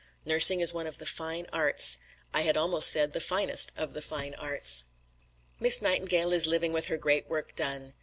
Nursing is one of the fine arts; I had almost said, the finest of the fine arts." Miss Nightingale is living with her great work done.